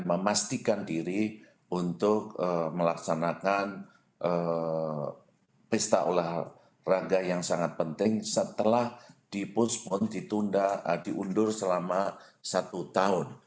memastikan diri untuk melaksanakan pesta olahraga yang sangat penting setelah di puspon ditunda diundur selama satu tahun